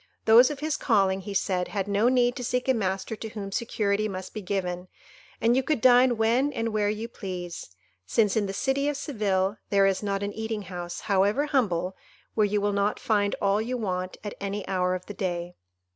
Those of his calling, he said, had no need to seek a master to whom security must be given, and you could dine when and where you please, since, in the city of Seville, there is not an eating house, however humble, where you will not find all you want at any hour of the day.